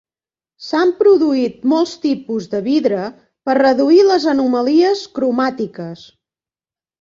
S'han produït molts tipus de vidre per reduir les anomalies cromàtiques.